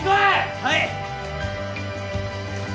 はい。